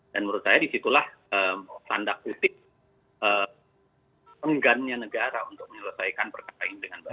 dan menurut saya disitulah standar utik penggannya negara untuk menyelesaikan perkara ini dengan baik